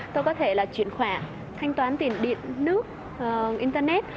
tôi có thể là chuyển khoản thanh toán tiền điện nước internet